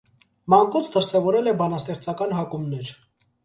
Մանկուց դրսևորել է բանաստեղծական հակումներ։